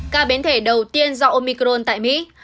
ca biến thể đầu tiên do omicron tại mỹ